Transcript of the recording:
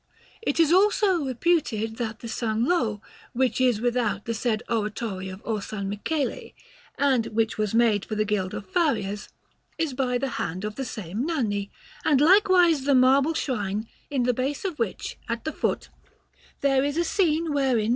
It is also reputed that the S. Lo which is without the said Oratory of Orsanmichele, and which was made for the Guild of Farriers, is by the hand of the same Nanni, and likewise the marble shrine, in the base of which, at the foot, there is a scene wherein S.